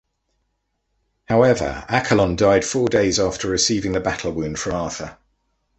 However Accolon died four days after receiving the battle-wound from Arthur.